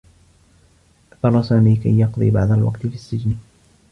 اضطرّ سامي كي يقضي بعض الوقت في السّجن.